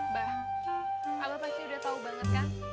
bah abah pasti udah tahu banget kan